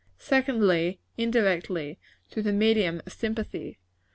Secondly, indirectly, through the medium of sympathy.